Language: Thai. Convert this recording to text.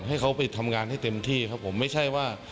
ให้เขาไปทำงานให้เต็มที่ครับผมไม่ใช่ว่า